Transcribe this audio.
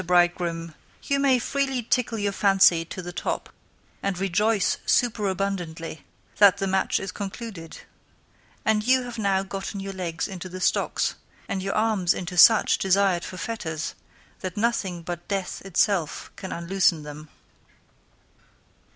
Bridegroom, you may freely tickle your fancy to the top, and rejoice superabundantly, that the Match is concluded; & you have now gotten your legs into the stocks, and your arms into such desired for Fetters, that nothing but death it self can unloosen them.